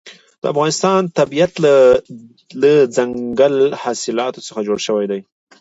د افغانستان طبیعت له دځنګل حاصلات څخه جوړ شوی دی.